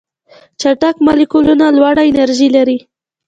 چټک مالیکولونه لوړه انرژي لري.